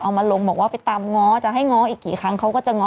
มาลงบอกว่าไปตามง้อจะให้ง้ออีกกี่ครั้งเขาก็จะง้อ